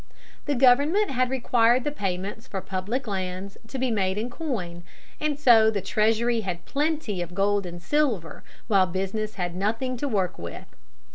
The government had required the payments for public lands to be made in coin, and so the Treasury had plenty of gold and silver, while business had nothing to work with.